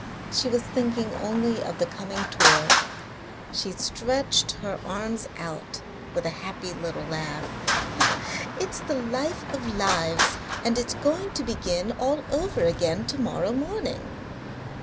She was thinking only of the coming tour. She stretched her arms out with a little happy laugh. "It's the life of lives, and it's going to begin all over again to morrow morning."